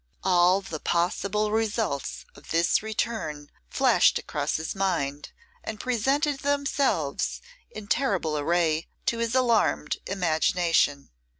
All the possible results of this return flashed across his mind, and presented themselves in terrible array to his alarmed imagination.